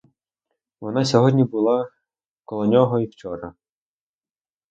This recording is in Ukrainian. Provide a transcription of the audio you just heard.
Вона й сьогодні була коло нього і вчора.